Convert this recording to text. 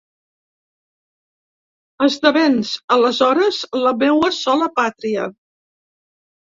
Esdevens, aleshores, la meua sola pàtria.